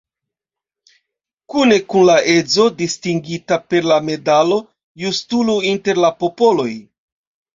Kune kun la edzo distingita per la medalo "Justulo inter la popoloj".